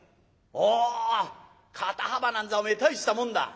おお肩幅なんざおめえ大したもんだ。